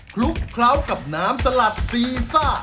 คลุกเคล้ากับน้ำสลัดซีซ่า